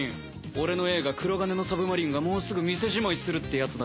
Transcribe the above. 俺の映画『黒鉄の魚影』がもうすぐ店じまいするってやつだろ？